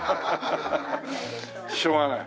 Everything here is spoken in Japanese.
しょうがない。